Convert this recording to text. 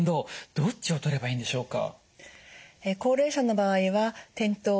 どっちを取ればいいんでしょうか？